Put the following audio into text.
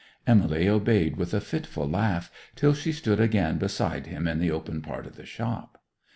Emily obeyed with a fitful laugh, till she stood again beside him in the open part of the shop.